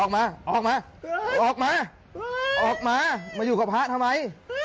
มาอยู่กับพระทำไม